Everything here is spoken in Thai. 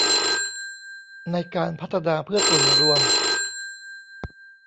ในการพัฒนาเพื่อส่วนรวม